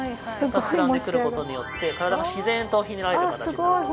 膨らんでくる事によって体が自然とひねられる形になってきます。